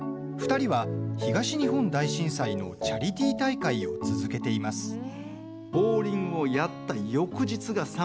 ２人は東日本大震災のチャリティー大会を続けています。